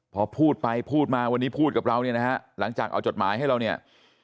พอพูดไปพูดมาวันนี้พูดกับเราเนี่ยนะฮะหลังจากเอาจดหมายให้เราเนี่ย